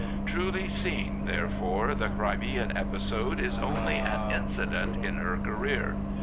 Truly seen, therefore, the Crimean episode is only an incident in her career.